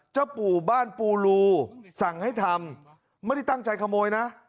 ปู่บ้านปูรูสั่งให้ทำไม่ได้ตั้งใจขโมยนะ